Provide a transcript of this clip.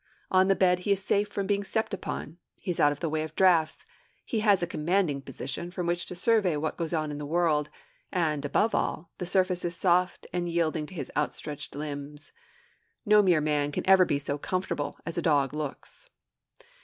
On the bed he is safe from being stepped upon; he is out of the way of draughts; he has a commanding position from which to survey what goes on in the world; and, above all, the surface is soft and yielding to his outstretched limbs. No mere man can ever be so comfortable as a dog looks.